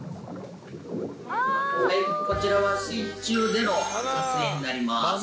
はいこちらは水中での撮影になります。